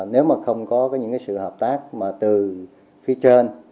nếu mà không có những sự hợp tác mà từ phía trên